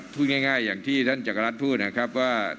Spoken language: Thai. พูดง่ายอย่างที่ท่านจักรรัฐพูดนะครับว่า